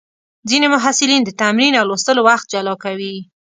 ځینې محصلین د تمرین او لوستلو وخت جلا کوي.